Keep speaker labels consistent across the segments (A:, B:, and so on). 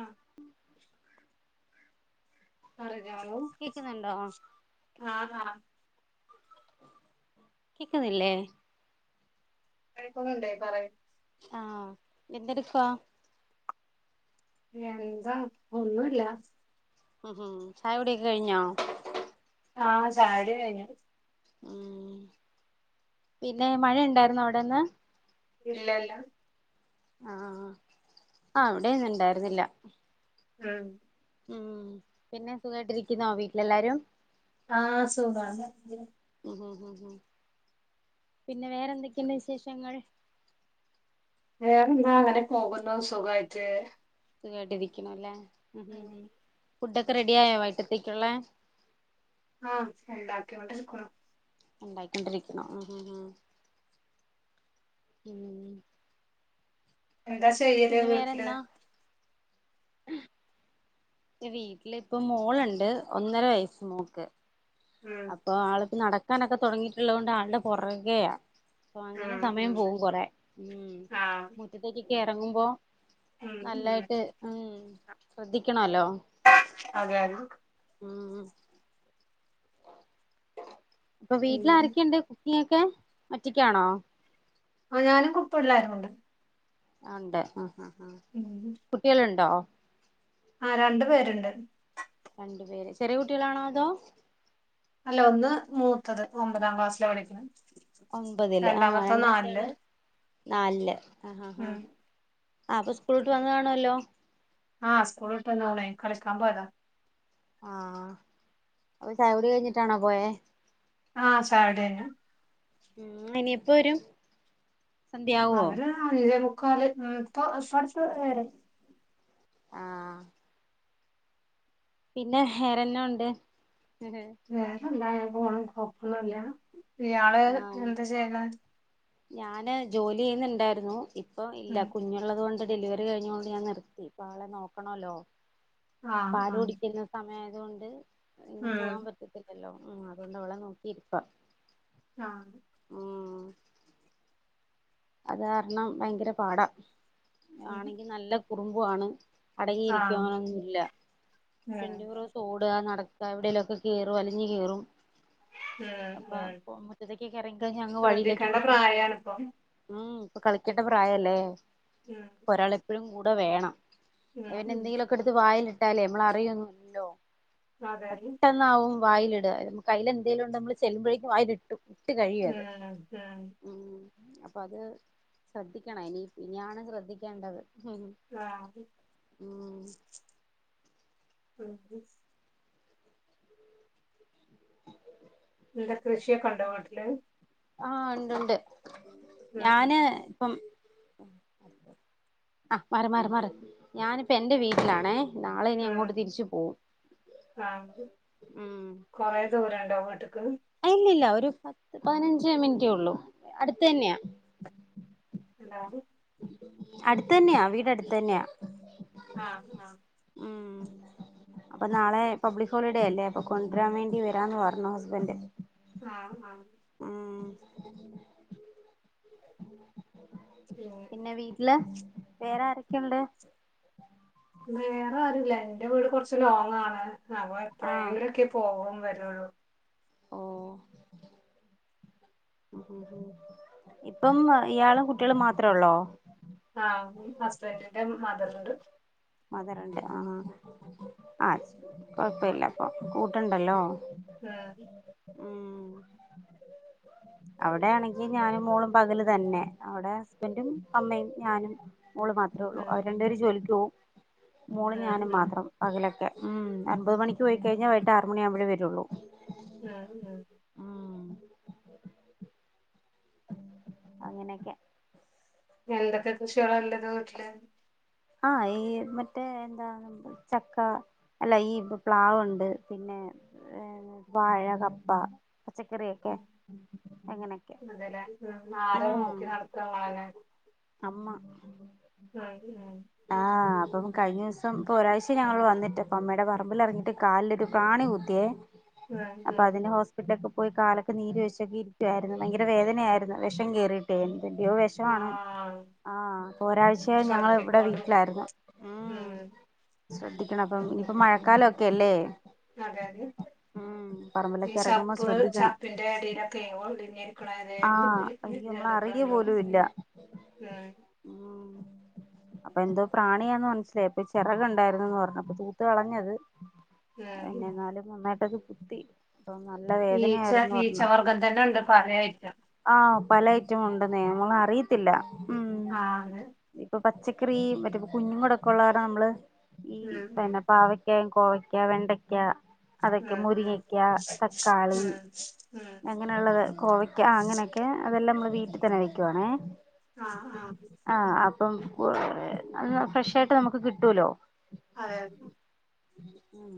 A: ആഹ പറഞ്ഞോളൂ
B: കേക്കുന്നുണ്ടോ
A: ആ ആ
B: കേക്കുന്നില്ലേ
A: കേൾക്കുന്നുണ്ടേ പറയ്
B: ആഹ എന്തെടുക്കുവാ
A: എന്താ ഒന്നുല്ല
B: ഉ ഉം ചായ കുടിയൊക്കെ കഴിഞ്ഞോ
A: ആഹ ചായ കുടി കഴിഞ്ഞു
B: ഉം പിന്നെ മഴ ഉണ്ടായിരുന്നോ അവിടെന്ന്
A: ഇല്ലല്ല
B: ആഹ ആ ഇവിടേം ഇന്നുണ്ടായിരുന്നില്ല
A: ഉം
B: ഉം പിന്നെ സുഖമായിട്ടിരിക്കുന്നോ വീട്ടിലെല്ലാരും
A: ആഹ് സുഖാണ്
B: ഉം ഉം ഉം പിന്നെ വേറെന്തൊക്കെയുണ്ട് വിശേഷങ്ങൾ
A: വേറെന്താ അങ്ങനെ പോകുന്നു സുഖായിട്ട്
B: കേട്ടിരിക്കണ് അല്ലേ ഉം ഉം ഫുഡൊക്കെ റെഡി ആയോ വൈകിട്ടത്തേക്കുള്ളെ?
A: ആഹ് ണ്ടാക്കിക്കൊണ്ടിരിക്കുണു.
B: ഉണ്ടാക്കിക്കൊണ്ടിരിക്കണോ ആഹ് ആഹ് ആഹ് ഉം
A: എന്താ ചെയ്യല്
B: പിന്നെ
A: വീട്ടില്
B: വേറെന്നാ വീട്ടിലിപ്പൊ മോളുണ്ട് ഒന്നര വയസ്സ് മോൾക്ക്
A: ഉം
B: അപ്പൊ ആളിപ്പോ നടക്കാനൊക്കെ തുടങ്ങിയിട്ടുള്ളത് കൊണ്ട് ആളുടെ പുറകെയാ. അപ്പൊ അങ്ങനെ
A: ഉം
B: സമയം
A: ഉം
B: പോകും കുറേ മ്
A: ആ
B: മുറ്റത്തേക്കൊക്കെ ഇറങ്ങുമ്പോ
A: ഉം ഉം
B: നല്ലായിട്ട് ഉം ശ്രദ്ധിക്കണല്ലോ
A: അതെ അതെ
B: ഉം ഇപ്പൊ വീട്ടില്
A: പിന്നെ
B: ആരൊക്കെയുണ്ട് കുക്കിങ് ഒക്കെ ഒറ്റക്കാണോ?
A: ഞാനും പിള്ളാരും ഉണ്ട്
B: ആ ഉണ്ട് ആഹ് ആഹ് ആഹ് കുട്ടികളുണ്ടോ?
A: ആ രണ്ടു പേരുണ്ട്.
B: രണ്ടു പേര് ചെറിയ കുട്ടികളാണോ അതോ?
A: അല്ല ഒന്ന് മൂത്തത് ഒമ്പതാം ക്ലാസ്സിലാ പഠിക്ണത്.
B: ഒമ്പതില് ആഹ് രണ്ടാമത്തെ ആള് നാലില് ഹാ ഹാ ഹാ
A: ഉം
B: അപ്പൊ സ്കൂള് വിട്ട് വന്ന് കാണുമല്ലോ?
A: ആഹ് സ്കൂള് വിട്ട് വന്നു കളിക്കാൻ പോയതാ.
B: ആഹ് അപ്പൊ ചായ കുടി കഴിഞ്ഞിട്ടാണോ പോയെ?
A: ആഹ് ചായ കുടി കഴിഞ്ഞു.
B: ഉം ഇനി എപ്പൊ വരും? സന്ധ്യയാവോ
A: അവര് ഏഴെമുക്കാല് ഉം പ്പൊ ഇപ്പട്ത്ത് വരും.
B: ആഹ് പിന്നെ വേറെന്നാ ഉണ്ട്.
A: വേറെന്താ ഇങ്ങനെ പോണ് [unintelligible] ഇയാൾ
B: ഉം
A: എന്താ ചെയ്യ്ന്നേ?
B: ഞാന് ജോലി ചെയ്യുന്ന്ണ്ടായിരുന്നു ഇപ്പം ഇല്ല
A: ഉം
B: കുഞ്ഞുള്ളതുകൊണ്ട് ഡെലിവറി കഴിഞ്ഞത് കൊണ്ട് ഞാൻ നിർത്തി. പാ ളെ നോക്കണോല്ലോ.
A: ആഹ്
B: പാല്
A: ആഹ്
B: കുടിക്കുന്ന സമയായ തോണ്ട് എങ്ങും
A: ഉം
B: പോവാൻ പറ്റത്തില്ലല്ലോ. മ് അതുകൊണ്ട് അവളെ നോക്കിയിരിപ്പാ
A: ആഹ്
B: അത് കാരണം ഭയങ്കര പാടാ.
A: ഉം
B: ആണെങ്കി നല്ല കുറുമ്പു ആണ്. അടങ്ങിയിരിക്കോ അങ്ങനൊന്നുല്ല.
A: ഉം
B: ട്വൻ്റിഫോർ ഹവേർസ് ഓടാ നട ക്കാ എവിടേലൊക്കെ കേറും വലിഞ്ഞു കേറും അപ്പൊ
A: ഉം
B: പ്പം മുറ്റത്തേക്കൊക്കെ എറങ്ങികഴിഞ്ഞാ അങ്ങ്
A: ശ്രദ്ധിക്കേണ്ട
B: വഴിയിലേക്കൊക്കെ അങ്ങ് പോവും.
A: പ്രായാണിപ്പൊ ഉം
B: മ് ഇപ്പൊ കളിക്കെണ്ട പ്രായല്ലേ. അപ്പൊ ഒരാളെപ്പഴും കൂടെ വേണം.
A: ഉം
B: ഇവൻ
A: ഉം
B: എന്തെങ്കിലൊക്കെ എടുത്ത് വായിലിട്ടാലേ നമ്മൾ അറിയൊന്നുല്ലല്ലോ.
A: അതെ ഉം
B: പെട്ടെന്നാവും വായിലിടാ. കയ്യിലെന്തെലുണ്ടെ നമ്മള് ചെല്ലുമ്പഴേക്കും വായി
A: മ് മ്
B: ഉം അപ്പൊ അത് ശ്രദ്ധിക്കണം ഇനി ഇനിയാണ് ശ്രദ്ധിക്കേണ്ടത്.
A: ആഹ്
B: ഊം
A: മ് ല്ല കൃഷിയൊക്കെ ഉണ്ടോ വീട്ട്ല്?
B: ആഹ് ഉണ്ടുണ്ട്. ഞാന്
A: ഉം
B: ഇപ്പം ഞാനിപ്പൊ എന്റെ വീട്ടിലാണേ. നാളെ ഇനി അങ്ങോട്ട്
A: ഉം
B: തിരിച്ചു പോവും
A: ആഹ്
B: മ്
A: കൊറേ ദൂരണ്ടോ വീട്ട്ക്ക്
B: ഇല്ലില്ല ഒരു പത്ത് പതിനഞ്ച് മിനിറ്റെ ഉള്ളൂ അടുത്ത് തന്നെയാ
A: ഹലോ
B: അടുത്ത തന്നെയാ വീട് അടുത്ത് തന്നെയാ
A: ആഹ് ആഹ്
B: ഉം അപ്പൊ നാളെ പബ്ലിക് ഹോളിഡേ അല്ലേ അപ്പൊ കൊണ്ടുവരാൻ വേണ്ടി വരാന്ന് പറഞ്ഞു ഹസ്ബൻഡ്
A: ആഹ് ആഹ്
B: ഉം പിന്നെ വീട്ടില് വേറെ ആരൊക്കെ ക്കെണ്ട്
A: വേറെ ആരുല്ല എന്റെ വീട് കുറച്ച് ലോങ് ആണ് അപ്പൊ എപ്പോഴെങ്കിലുമൊക്കെ പോകും വരുള്ളൂ
B: ഓ ഇപ്പം ഇയാളും കുട്ടികളും മാത്രേ ഉള്ളോ?
A: ആഹ് ഹസ്ബൻഡിന്റെ മദറുണ്ട്
B: മതർണ്ട് ആ ആ കുഴപ്പല്ല ഇപ്പൊ കൂട്ടുണ്ടല്ലോ.
A: ഉം
B: ഉം അവിടെയാണെങ്കി ഞാനും മോളും പകല് തന്നെ അവിടെ ഹസ്ബൻന്റും അമ്മയും ഞാനും മോള് മാത്രേ ഉള്ളൂ
A: ഉം
B: അവര് രണ്ടേര് ജോലിക്കോവും. മോള് ഞാനും
A: ഉം ഉം
B: മാത്രം പകലൊക്കെ. ഉം അൻപത് മണിക്ക് പോയി കഴിഞ്ഞാ വൈിട്ട് ആറ് മണിയാകുബോഴേ വരള്ളൂ.
A: ഉം ഉം
B: അങ്ങനെയൊക്കെ.
A: എന്തക്കെ കൃഷികളാല്ലത് വീട്ടില്?
B: ആ ഈ മറ്റേ എന്താ ചക്ക അല്ല ഈ പ്ലാവുണ്ട് പിന്നെ എ ഏ വാഴ, കപ്പ പച്ചക്കറിയെക്കെ അങ്ങനെയെക്കെ
A: അതെല്ലേ ഉം ആരാ
B: ഉം.
A: നോക്കി നടത്താ ഇങ്ങളെന്നെ
B: അമ്മ
A: ഉം
B: ആഹ് അപ്പം കഴിഞ്ഞ ദിവസം ഇപ്പോ ഒരാഴ്ച്ചായി ഞങ്ങൾ വന്നിട്ട് അപ്പോം അമ്മയുടെ പറമ്പിൽ ഇറങ്ങിയിട്ട് കാലിലൊരു പ്രാണി കുത്തിയേ
A: ഉം ഉം
B: അപ്പൊ
A: ഉം
B: അതിന് ഹോസ്പിറ്റലക്കെ പോയി കാലൊക്കെ നീര് വെച്ചൊക്കെ ഇരിക്കായിരുന്നു ഭയങ്കര വേദനയായിരുന്നു വെഷം കേയറിയിട്ടോയിരുന്നു എന്തിന്റിയോ വെഷാണ്
A: ആഹ്
B: ആഹ് അപ്പൊ ഒരാഴ്ച്ചായി ഞങ്ങള് ഇവിടെ
A: ശ്രദ്ധിക്കോണ്ടു
B: വീട്ടിലായിര്ന്ന്.
A: ഉം
B: ശ്രദ്ധിക്കണം അപ്പൊ ഇനിപ്പോ മഴക്കാലൊക്കെ അല്ലേ
A: അതെ അതെ
B: ഉം.
A: ഈ ചപ്പ് ചപ്പിന്റെ ഇടയിലക്കെ ഒളിഞ്ഞിരി ക്ക്‌ണവ്വരെ
B: ആഹ്
A: [unintelligible]
B: അയ്യോ നമ്മള് അറിയ
A: ജന്തുക്കളുണ്ടാവും
B: പോലും ഇല്ല
A: ഉം
B: അപ്പൊ എന്തോ പ്രാണിയാന്ന് മനസ്സിലായി ഇപ്പൊ ചിറകുണ്ടായിരുന്നുന്ന് പറഞ്ഞു അപ്പൊ തൂത്ത് കളഞ്ഞത്.
A: ഉം
B: പിന്നെ
A: ഉം
B: എന്നാലും നന്നായിട്ടത് കുത്തി. അപ്പം നല്ല
A: ഈച്ച
B: വേദനയായിരുന്നുന്ന് പറഞ്ഞു
A: ഈച്ചവർഗ്ഗം തന്നെ ഉണ്ട് പലഐറ്റെം.
B: ആഹ് പല ഐറ്റം ഉണ്ടെന്നേ നമ്മള് അറിയത്തില്ല. ഉം
A: ആഹ്
B: ഇപ്പൊ പച്ചക്കറി മറ്റേ കുഞ്ഞു കൂടെ ഒക്കെ ഉള്ള കാരണം നമ്മള് ഈ
A: അതെ
B: പിന്നെ
A: ഉം ഉം
B: പാവക്ക കോവയ്ക്ക, വെണ്ടയ്ക്ക അതൊക്കെ
A: ഉം
B: മുരിങ്ങക്ക, തക്കാളി
A: ഉം ഉം ഉം
B: അങ്ങനെയുള്ളത് കോവയ് ആ അങ്ങനെയൊക്കെ അതെല്ലാം നമ്മള് വീട്ടിൽ തന്നെ വെക്കുവാണേ.
A: ആ ആ
B: ആഹ് അപ്പം ഹ് ഫ്രഷായിട്ട് നമുക്ക് കിട്ടുലോ.
A: അതെയതെ.
B: ഉം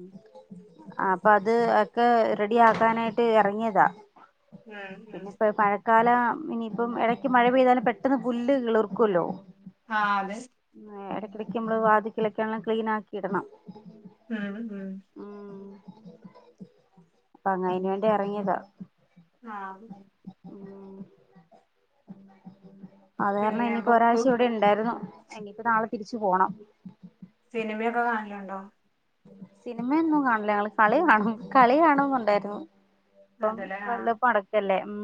B: അപ്പ അത് ഒക്കെ റെഡി ആക്കാനായിട്ട് എറങ്ങിയതാ.
A: ഉം ഉം
B: കാല ഇനിയിപ്പം ഇടയ്ക്ക് മഴ പെയ്താലും പെട്ടന്ന് പുല്ല് കിളിർക്കുല്ലോ
A: ആ അതെ.
B: ഇടയ്ക്കടക്ക് നമ്മള് വാതിക്കലൊക്കെല്ലാം ക്ലീനാക്കി ഇടണം.
A: ഉം ഉം
B: അങ്ങഅയിന് വേണ്ടി എറങ്ങിയതാ.
A: ആ
B: അത് കാരണം
A: പിന്നെ
B: ഇനിഇപ്പൊ
A: ബുക്ക്
B: ഒരാഴ്ച്ച ഇവിടെ ഉണ്ടായിരുന്നു. ഇനിയിപ്പോ നാളെ തിരിച്ചു പോണം.
A: സിനിമയൊക്കെ കാണലുണ്ടോ.
B: സിനിമയൊന്നും കാണില്ല ഞങ്ങള് കളി കാണും കളി കാണുന്നുണ്ടായിരുന്നു. ഇപ്പം
A: അതേല്ലേ ആഹ്
B: വേൾഡ് കപ്പ് നടക്കല്ലേ. ഉം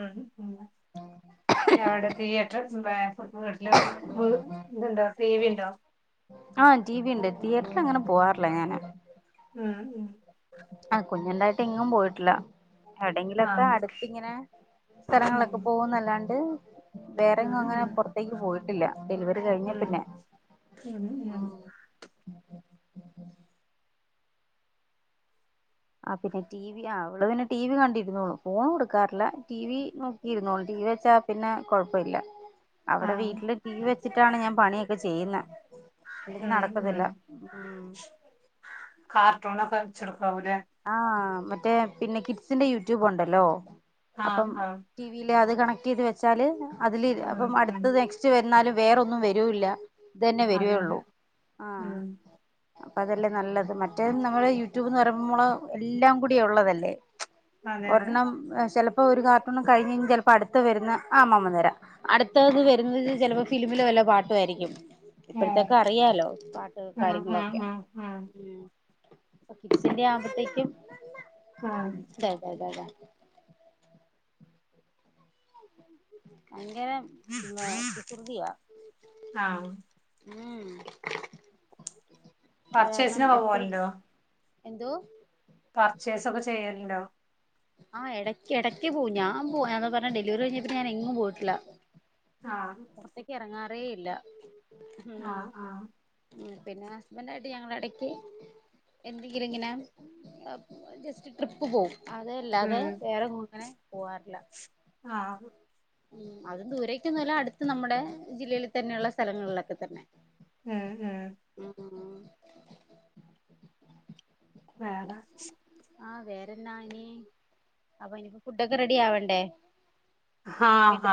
A: ഉം ഉം എവിടെ തിയേറ്റർ [unintelligible] വീട്ടില് വ് ഇതുണ്ടോ ടി വി ഉണ്ടോ?
B: ആഹ ടി വി ഉണ്ട് തിയേറ്ററിൽ അങ്ങനെ പോവാറില്ലേ ഞാാന്
A: ഉം ഉ
B: കുഞ്ഞണ്ടായിട്ട് ഇങ്ങും പോയിട്ടില്ല
A: ആഹ്
B: എവിടെയങ്കിലൊക്കെ
A: ഉണ്ട്
B: അടുത്തിങ്ങനെ സ്ഥലങ്ങളൊക്കെ പോകുന്നല്ലാണ്ട് വേറെങ്കും
A: ഉം ഉം
B: അങ്ങനെ പുറത്തേക്ക് പോയിട്ടില്ല ഡെലിവറി കഴിഞ്ഞ
A: ഉം ഉം
B: പിന്നെ
A: ഉം ഉം
B: ആഹ ആ പിന്നെ ടി വി ആ അവള് പിന്നെ ടി വി കണ്ടിരുന്നോളു ഫോൺ കൊടുക്കാറില്ല ടി വി നോക്കിയിരുന്നോള ടി വി വെച്ചാ പിന്നെ കൊഴപ്പില്ല അവിടെ
A: ആഹ്
B: വീട്ടില് ടീ വെച്ചിട്ടാണ് ഞാൻ പണിയൊക്കെ ചെയ്യുന്നത് അല്ലെങ്കി
A: ഉം
B: നടക്കത്തില്ല ഉ
A: കട്ടൂണക്ക
B: ആഹ മറ്റേ പിന്നെ കിഡ്സിന്റെ യൂട്യൂബ് ഉണ്ടല്ലോ അപ്പം
A: ആഹ് ആഹ്
B: ടിവിൽ അത് കണക്ട് ചെയ്ത് വെച്ചാല് അതില്
A: ഉം
B: അപ്പം
A: ഉം
B: അടുത്ത് നെക്സ്റ്റ് വരുന്നാലും വേറൊന്നും വരൂല്ല ഇത് തന്നെ
A: അതെ
B: വരുയുള്ളൂ
A: അതെ
B: ആ
A: ഉം
B: അപ്പൊ അതല്ലേ നല്ലത് മറ്റേ നമ്മള് യൂട്യൂബ് എന്ന് പറയുമ്പോള് എല്ലാം കൂടി ഉള്ളതല്ലേ
A: അതെ അതെ
B: ഒരെണ്ണംണം ചിലപ്പോ ഓ ഒരു കാർട്ടൂൺ കഴി കഴി ച അടുത്ത വരുന്ന ആമ്മ നേരം അടുത്തത് വരുന്നത് ചപ്പോ ഫ പാട്ടുമായിരിക്കും
A: ഏഹ്
B: ഇപ്പോഴത്തേക്ക അറിയാലോ പാട്ട്
A: ഉം ഉം
B: കാര്യങ്ങളൊക്കെ
A: ഉം ഉം
B: ആവുമ്പോത്തേക്കും
A: ഉം
B: അതെതെ അതെ അതെ ഭയങ്കര കുസൃതിയാ
A: ആഹ്
B: ഉം അത് കാരണം
A: പർച്ചേസിന പോ
B: എപ്പഴും
A: പോലുണ്ടോ
B: എന്തോ
A: പർച്ചേസ ഒക്കെ ചെയ്യലണ്ടോ
B: ആഹ് ഇടയ്ക്ക് ഇടയ്ക്ക് പോവും ഞാൻ പോ ഞാ പറഞ്ഞ ഡെലിവറി കഴിഞ്ഞപ്പെ ഞാൻ എങ്ങും പോയിട്ടില്ല
A: ആഹ്
B: പുറത്തേക്ക് ഇറങ്ങാറേ ഇല്ല ഉ
A: ആഹ് ആഹ്
B: പിന്നെ ഹസ്ബൻഡ ആയിട്ട് ഞങ്ങള ഇടക്ക് എന്തെങ്കിലും ഇങ്ങനെ ജസ്റ്റ് ട്രിപ്പ് പോകും അതല്ല അത
A: ഉം
B: വേറെങ്ങും അങ്ങനെ പോവാറില്ല
A: ആഹ്
B: ഉ അതും ദൂരക്കൊന്നുമല്ല അടുത്ത നമ്മുടെ ജില്ലയിൽ തന്നെയുള്ള സ്ഥലങ്ങളിലൊക്കെ തന്നെ
A: ഉം ഉം
B: ഉ
A: വേറെ
B: ആഹ വേറെ എന്നാ ഇന അപ്പൊ ഇനിപ്പോ ഫുഡൊക്കെ റെഡി ആവണ്ടേ
A: ആഹ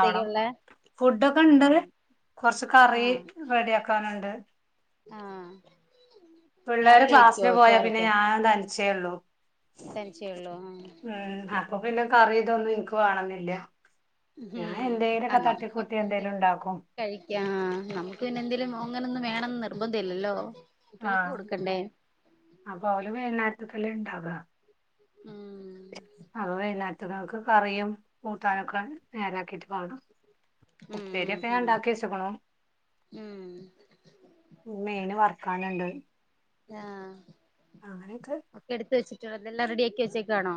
A: ആവണം ഫുഡൊക്കെ ഉണ്ട്
B: ഉം
A: കൊറച്ച് കറി റെഡി ആക്ക ആക്കാനുണ്ട്
B: ആഹ
A: പിള്ളേര് ക്ലാസ്സിന് പോയാ പിന്നെ ഞാൻ തനിച്ചേ ഉള്ളൂ
B: തനിച്ചേ ഉള്ളൂ ആഹ്
A: ഉം അപ്പൊ പിന്നെ കറിതൊന്നും എനിക്ക് വാണന്നില്ല
B: ഉം അ നമുക്ക് എന്ത്
A: എന്തേലും ഉണ്ടാക്കും
B: കഴിക്കാ ആ നമുക്ക് പിന്നെന്തേലും ങ്ങനൊന്നും വേണംന്ന് നിർബന്ധല്ലല്ലോ
A: ആഹ് അപ്പൊ ഓല് വൈകുന്നേരത്തക്കല്ലെ ഇണ്ടാവ
B: ഉം
A: അ വൈന്നേരത്ത്ക്കേക്ക് കറിയും കൂട്ടാനൊക്കെ നേരാക്കിട്ട് കാണ
B: ഉം
A: ഉപ്പേരിയൊക്കെ ഞാൻ
B: ഉം
A: ഉണ്ടാക്കിച്ചക്ക്ണു
B: ഉം
A: മെയിന് വർക്കാന്ണ്ട്
B: ആഹ്
A: അങ്ങനെയൊക്കെ
B: തെല്ലാം റെഡിയാക്കി വെച്ചേക്കാണോ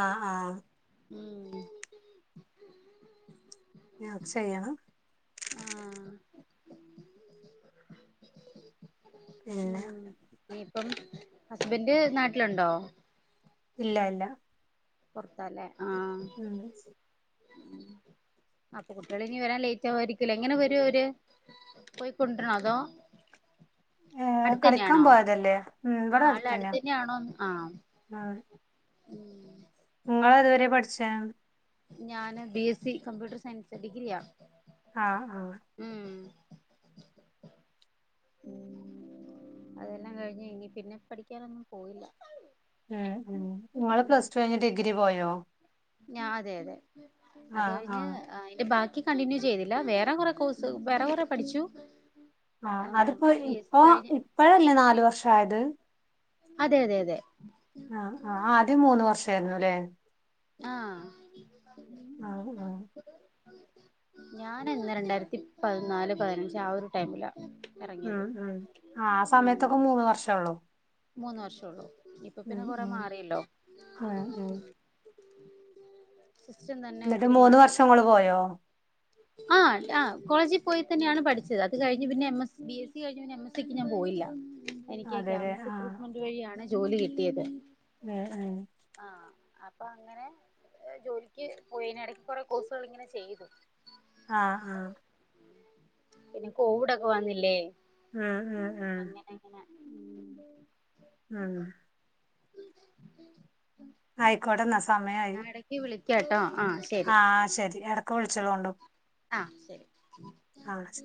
A: ആഹ് ആഹ്
B: ഉം
A: ഞാൻ അക്ഷയ
B: ആഹ്
A: പിന്നെ
B: പ്പം ഹസ്ബൻഡ് നാട്ടിലുണ്ടോ
A: ഇല്ലായില്ല
B: പൊറത്താല്ലേ
A: ഉം
B: ഉം അപ്പൊ കുട്ട്യെള് ഇനി വരാൻ ലേറ്റ് ആവുരിക്കൂലേ എങ്ങനെ വരും അവര് പോയി കൊണ്ടരണോ അതോ
A: ഏ കളിക്കാൻ
B: അടുത്തന്നെയാണോ
A: പോയതല്ലേ ഉം
B: ആഹ് അല്ല അടുത്തന്നെയാണോന്ന് ആഹ്
A: ആഹ്
B: ഉം
A: ങ്ങളെതുവരെയാ പഠിച്ചേ
B: ഞാന് B S C computer science ഡിഗ്രിയാ
A: അ ആഹ്
B: ഉം അതെല്ലാം കഴിഞ്ഞ് ഇനി പിന്നെ പഠിക്കാനൊന്നും പോയില്ല
A: എ ഉം ങ്ങള്
B: ഉം
A: പ്ലസ് ടു കഴിഞ്ഞ് ഡിഗ്രി പോയോ
B: ഞാ അതെ അതെ അത്
A: ആഹ്
B: കഴിഞ്ഞ്
A: ആഹ്
B: അയിന്റെ ബാക്കി കണ്ടിന്യൂ ചെയ്തില്ല വേറെ കൊറെ കോഴ്സ് വേറെ കൊറെ പഠിച്ചു
A: ആ
B: ആം
A: അതിപ്പോ
B: ബി എസ് സി
A: ഇപ്പൊ
B: കഴിഞ്ഞ്
A: ഇപ്പഴല്ലേ നാലു വർഷം ആയത്
B: അതെ അതെ അതെ
A: തേർന്നുല്ലേ
B: ആഹ്
A: ആഹ് ആഹ്
B: ഞാനെന്നാ രണ്ടായിരത്തി പതിനാല് പതിനഞ്ച് ആ ഒരു ടൈമിലാ
A: ഉം
B: എറങ്ങിയത്
A: ഉം ആഹ്
B: ഉം
A: സമയത്തൊക്കെ മൂന്ന് വർഷള്ളൂ
B: മൂന്ന് വർഷള്ളൂ ഇപ്പൊ പിന്നെ കൊറെ
A: ഉം
B: മാറിയല്ലോ
A: ഉം ഉം
B: സിസ്റ്റം തന്നെ
A: എന്നിട്ട്
B: ഒത്തിരി
A: മൂന്ന് വർഷം
B: മാറ്റവുണ്ട്
A: ഇങ്ങള് പോയോ
B: ആഹ് റ്റാ കോളേജി പോയി തന്നെയാണ് പഠിച്ചത് അത് കഴിഞ്ഞു പിന്നെ M S B S C കഴിഞ് പിന്നെ എം എസിക്ക് ഞാൻ പോയില്ല എനിക്ക്
A: അതെല്ലേ
B: ക്യാമ്പസ് ക്രൂട്ട്മെന്റ് വഴിയാണ് ജോലി കിട്ടിയത്
A: ഏഹ് ഏഹ്
B: ആ അപ്പൊ അങ്ങനെ ജോലിക്ക് പോയിനിടക്ക് കൊറെ കോഴ്സുകൾ ഇങ്ങനെ ചെയ്തു
A: ആഹ് ആഹ്
B: പിന്നെ കോവിഡൊക്കെ വന്നില്ലേ
A: ഉം ഉം ഉം
B: അങ്ങനെ അങ്ങനെ
A: ഉം ആയിക്കോട്ടെന്നാ സമയായി
B: വിളിക്ക ട്ടോ
A: ആഹ് ശരി എടക്ക് വിളിചോളുണ്ടു
B: ആ ശരി
A: ആ ശ